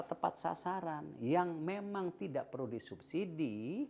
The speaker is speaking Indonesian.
tepat sasaran yang memang tidak perlu disubsidi